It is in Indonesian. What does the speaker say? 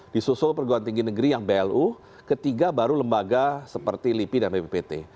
disusul perguruan tinggi negeri yang blu ketiga baru lembaga seperti lipi dan bppt